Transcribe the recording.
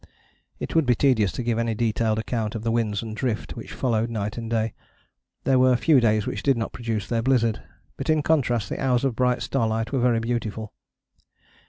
It would be tedious to give any detailed account of the winds and drift which followed, night and day. There were few days which did not produce their blizzard, but in contrast the hours of bright starlight were very beautiful.